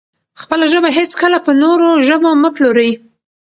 خپله ژبه هېڅکله په نورو ژبو مه پلورئ.